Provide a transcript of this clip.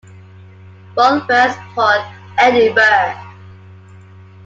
Born West Port, Edinburgh.